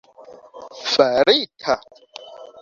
farita